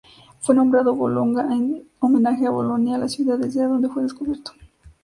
Fue nombrado Bologna en homenaje a Bolonia la ciudad desde donde fue descubierto.